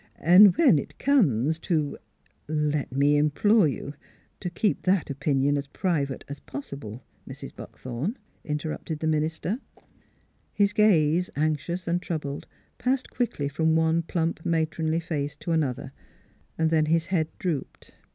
" An' when it comes to "" Let me implore you to keep that opinion as private as possible, Mrs. Buckthorn," interrupted the minister. NEIGHBORS 309 His gaze, anxious and troubled, passed quickly from one plump, matronly face to another; then his head drooped.